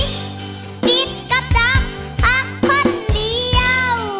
กิดกับจักรหักคนเดียว